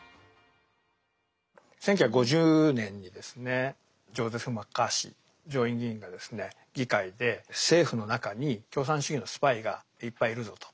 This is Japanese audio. １９５０年にですねジョゼフ・マッカーシー上院議員が議会で政府の中に共産主義のスパイがいっぱいいるぞと。